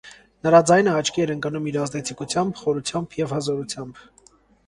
Նրա ձայնը աչքի էր ընկնում իր ազդեցիկությամբ, խորությամբ և հզորությամբ։